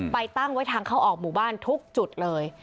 ตั้งไว้ทางเข้าออกหมู่บ้านทุกจุดเลย